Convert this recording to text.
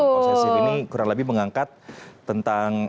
film posesif ini kurang lebih mengangkat tentang apa ya